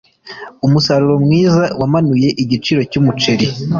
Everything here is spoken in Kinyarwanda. Umusaruro mwiza wamanuye igiciro cyumuceri.